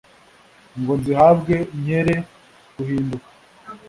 ngo nzihabwe nkere guhinduka